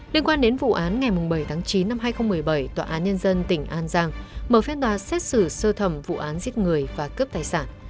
liên quan đến vụ án ngày bảy tháng chín năm hai nghìn một mươi bảy tòa án nhân dân tỉnh an giang mở phiên tòa xét xử sơ thẩm vụ án giết người và cướp tài sản